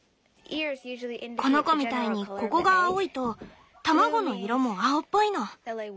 この子みたいにここが青いと卵の色も青っぽいの。